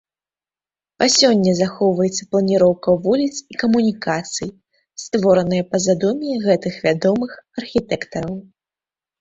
Па сёння захоўваецца планіроўка вуліц і камунікацый, створаная па задуме гэтых вядомых архітэктараў.